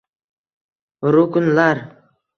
Ruknlar